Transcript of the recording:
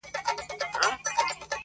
• په ځنګله ننوتلی وو بېغمه -